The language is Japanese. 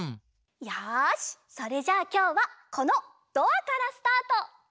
よしそれじゃあきょうはこのドアからスタート！